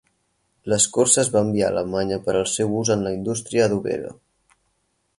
L'escorça es va enviar a Alemanya per al seu ús en la indústria adobera.